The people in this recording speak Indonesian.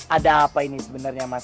ada apa ini sebenernya mas mas